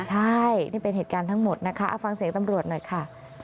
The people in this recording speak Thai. ใช่นี่เป็นเหตุการณ์ทั้งหมดนะคะเอาฟังเสียงตำรวจหน่อยค่ะ